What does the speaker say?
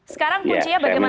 sekarang kuncinya bagaimanapun